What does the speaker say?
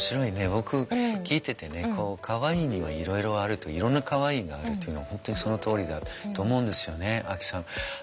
僕聞いててねかわいいにはいろいろあるといろんなかわいいがあるっていうの本当にそのとおりだと思うんですよねアキさん。